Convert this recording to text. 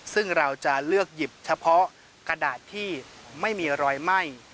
ซึ่งเราจะเลือกหยิบเฉพาะกระดาษที่ไม่มีรอยไหม้